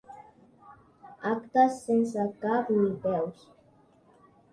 Actes sense cap ni peus.